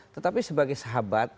tetapi sebagai sahabat